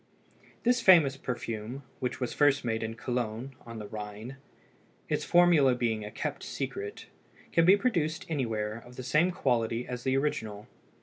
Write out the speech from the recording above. This famous perfume, which was first made in Cologne on the Rhine, its formula being kept secret, can be produced anywhere of the same quality as the original.